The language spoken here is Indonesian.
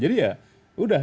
jadi ya udah